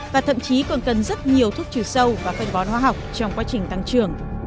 và thậm chí còn cần rất nhiều thuốc trừ sâu và phân bón hóa học trong quá trình tăng trưởng